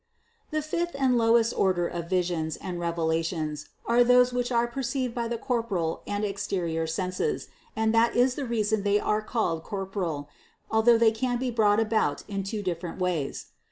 639. The fifth and lowest order of visions and revela tions are those which are perceived by the corporeal and exterior senses, and that is the reason why they are called corporeal, although they can be brought about in two dif ferent ways.